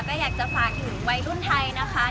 ก็อยากจะฝากถึงวัยรุ่นไทยนะคะ